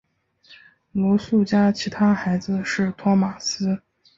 罗素家其他孩子是托马斯。